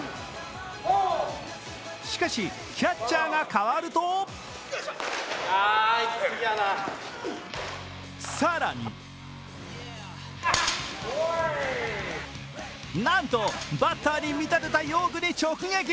しかし、キャッチャーが変わると更になんとバッターに見立てた用具に直撃。